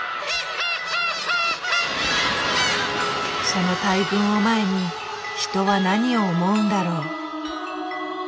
その大群を前に人は何を思うんだろう？